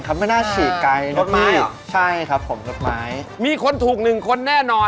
อ๋อท่างทำแขนหมดนึงเออ